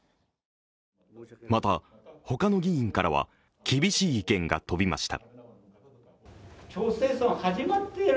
また、他の議員からは、厳しい意見が飛びました。